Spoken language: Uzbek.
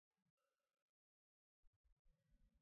Yasholmadim dunyoda.